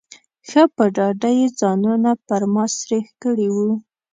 ښه په ډاډه یې ځانونه پر ما سرېښ کړي وو.